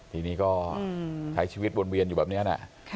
ทีนี้ก็ใช้ชีวิตวนเวียนอยู่แบบนี้นะ